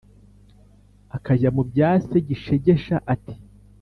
akajya mu bya se. gishegesha, ati